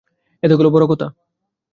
এ তো গেল বড়ো কথা।